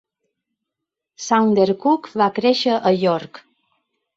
Saundercook va créixer a York.